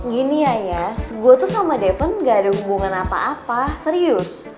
gini ayas gua tuh sama devon ga ada hubungan apa apa serius